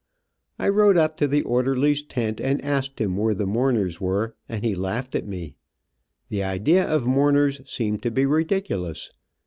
I rode up to the orderly's tent and asked him where the mourners were, and he laughed at me. The idea of mourners seemed to be ridiculous.